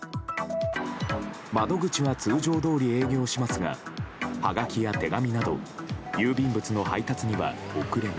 窓口は通常どおり営業しますがはがきや手紙など郵便物の配達には遅れが。